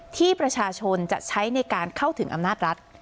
ที่ประชาชนจะใช้ในการเข้าถึงอำนาจรัฐ